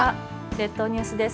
列島ニュースです。